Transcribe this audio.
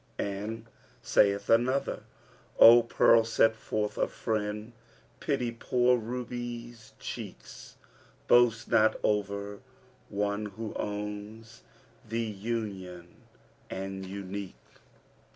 '[FN#330] And as saith another, 'O pearl set mouth of friend * Pity poor Ruby's cheek Boast not o'er one who owns * Thee, union and unique.'